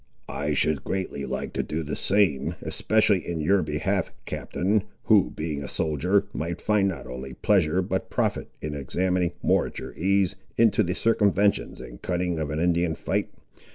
"I should greatly like to do the same; especially in your behalf, Captain, who, being a soldier, might find not only pleasure but profit in examining, more at your ease, into the circumventions and cunning of an Indian fight.